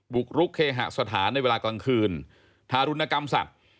บุกรุกเคหสถานในเวลากลางคืนทารุณกรรมสัตว์